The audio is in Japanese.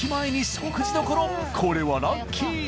これはラッキー。